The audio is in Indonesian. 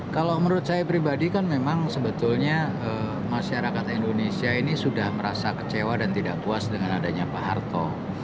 kalau menurut saya pribadi kan memang sebetulnya masyarakat indonesia ini sudah merasa kecewa dan tidak puas dengan adanya pak harto